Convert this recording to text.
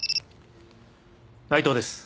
内藤です。